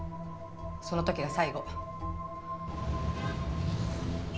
その時が最後。